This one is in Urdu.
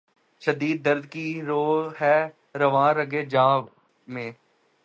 شدید درد کی رو ہے رواں رگ ِ جاں میں